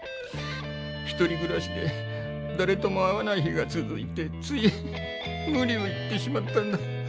ひとりぐらしでだれとも会わない日が続いてついむ理を言ってしまったんだ。